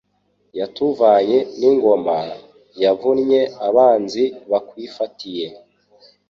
Yatuvanye n’ingoma, Yavunnye abanzi bakwifatiye,